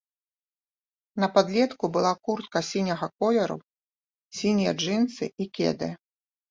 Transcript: На падлетку была куртка сіняга колеру, сінія джынсы і кеды.